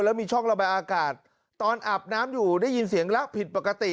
แล้วมีช่องระบายอากาศตอนอาบน้ำอยู่ได้ยินเสียงละผิดปกติ